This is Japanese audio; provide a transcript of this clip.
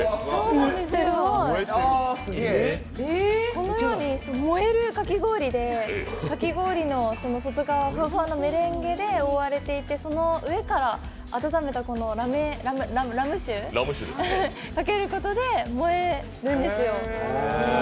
このように燃えるかき氷で、かき氷の外側はふわふわのメレンゲで覆われていて、その上から温めたラム酒かけることで燃えるんですよ。